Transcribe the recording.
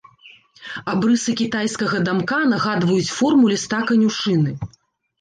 Абрысы кітайскага дамка нагадваюць форму ліста канюшыны.